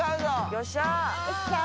よっしゃ。